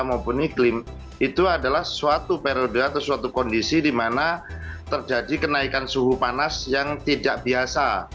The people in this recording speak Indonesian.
di dalam ilmu cuaca terdapat beberapa periode atau kondisi di mana terjadi kenaikan suhu panas yang tidak biasa